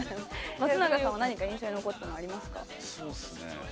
松永さんは何か印象に残ったのありますか？